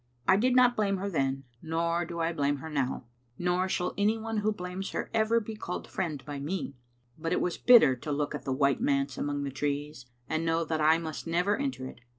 I did not blame her then, nor do I blame her now, nor shall anyone who blames her ever be called friend by me ; but it was bitter to look at the white manse among the trees and know that I must never enter it.